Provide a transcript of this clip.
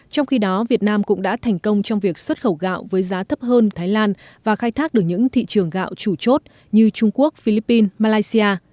trong khi đó việt nam cũng đã thành công trong việc xuất khẩu gạo với giá thấp hơn thái lan và khai thác được những thị trường gạo chủ chốt như trung quốc philippines malaysia